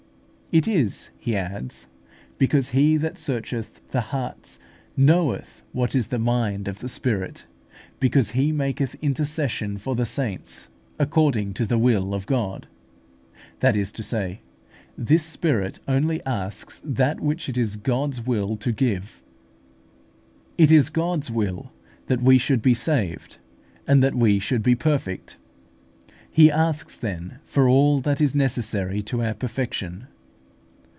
"It is," he adds, "because He that searcheth the hearts knoweth what is the mind of the Spirit, because He maketh intercession for the saints according to the will of God;" that is to say, this Spirit only asks that which it is God's will to give. It is God's will that we should be saved and that we should be perfect. He asks, then, for all that is necessary to our perfection.